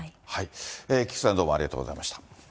菊池さん、どうもありがとうございました。